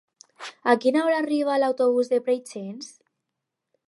A quina hora arriba l'autobús de Preixens?